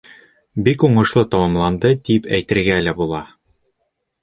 Бик уңышлы тамамланды тип әйтергә лә була.